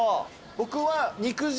僕は。